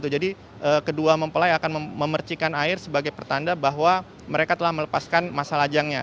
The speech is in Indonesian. jadi kedua mempelai akan memercikan air sebagai pertanda bahwa mereka telah melepaskan masalah jangnya